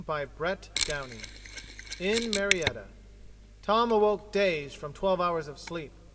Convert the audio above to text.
CHAPTER SEVEN IN MARIETTA Tom awoke dazed from twelve hours of sleep.